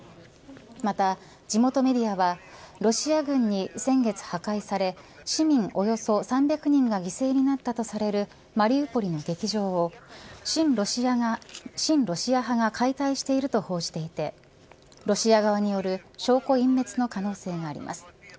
また地元メディアはロシア軍に先月、破壊され市民およそ３００人が犠牲になったとされるマリウポリの劇場を親ロシア派が解体していると報じていてロシア側による証拠隠滅の可能性があります。